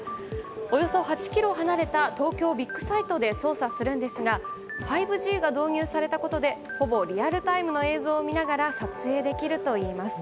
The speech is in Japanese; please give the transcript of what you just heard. およそ８ｋｍ離れた東京ビッグサイトで操作するんですが５Ｇが導入されたことでほぼリアルタイムの映像を見ながら撮影できるといいます。